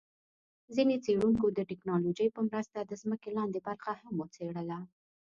ځیني څېړونکو د ټیکنالوجۍ په مرسته د ځمکي لاندي برخه هم وڅېړله